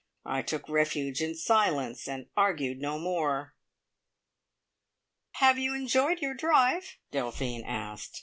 I took refuge in silence, and argued no more. "Have you enjoyed your drive?" Delphine asked.